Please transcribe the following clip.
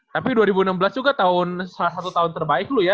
tapi dua ribu enam belas juga salah satu tahun terbaik lu ya